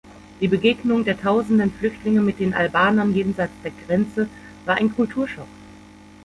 Die Begegnung der tausenden Flüchtlinge mit den Albanern jenseits der Grenze war ein Kulturschock.